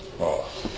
ああ。